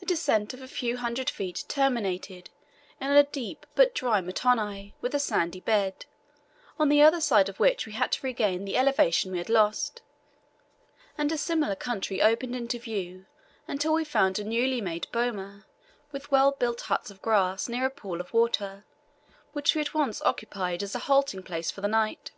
A descent of a few hundred feet terminated in a deep but dry mtoni with a sandy bed, on the other side of which we had to regain the elevation we had lost, and a similar country opened into view until we found a newly made boma with well built huts of grass rear a pool of water, which we at once occupied as a halting place for the night.